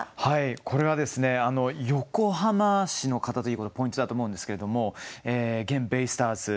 これは横浜市の方ということがポイントだと思うんですけれども現ベイスターズ